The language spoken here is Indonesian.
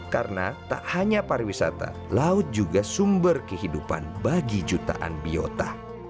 karena tak hanya pariwisata laut juga sumber kehidupan bagi jutaan biota